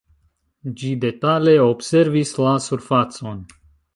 Ĝi detale observis la surfacon.